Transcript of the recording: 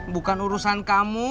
bukan urusan kamu